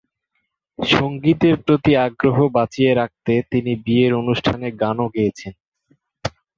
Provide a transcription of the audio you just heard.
সংগীতের প্রতি আগ্রহ বাঁচিয়ে রাখতে তিনি বিয়ের অনুষ্ঠানে গানও গেয়েছেন।